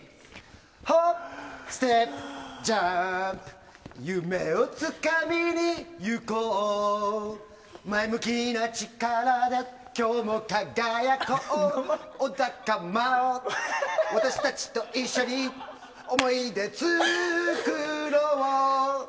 ホップ・ステップ・ジャンプ夢をつかみにいこう前向きな力で今日も輝こう小高茉緒、私たちと一緒に思いで作ろう。